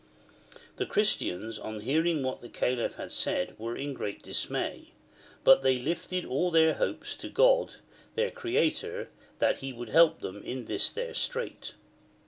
The Christians on hearing what the CaHf had said were in great dismay, but they Hfted all their hopes to God, their Creator, that He would help them in this their strait.